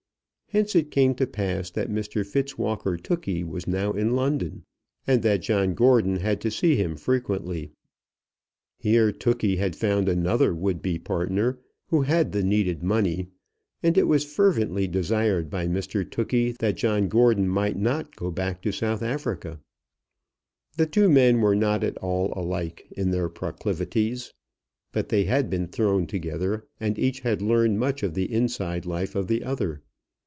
Hence it came to pass that Mr Fitzwalker Tookey was now in London, and that John Gordon had to see him frequently. Here Tookey had found another would be partner, who had the needed money, and it was fervently desired by Mr Tookey that John Gordon might not go back to South Africa. The two men were not at all like in their proclivities; but they had been thrown together, and each had learned much of the inside life of the other.